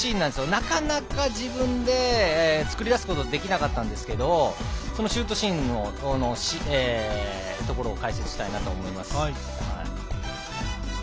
なかなか自分で作り出すことができなかったんですけれどシュートシーンのところを解説したいなと思います。